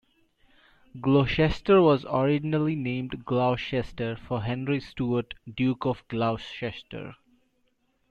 Glocester was originally named Gloucester for Henry Stuart, Duke of Gloucester.